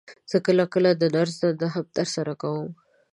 زه کله کله د نرس دنده هم تر سره کوم.